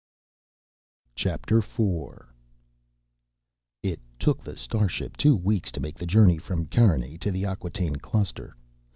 IV It took the starship two weeks to make the journey from Carinae to the Acquataine Cluster.